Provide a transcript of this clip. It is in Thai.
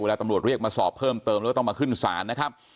ตำรวจเรียกมาสอบเพิ่มเติมแล้วก็ต้องมาขึ้นศาลนะครับ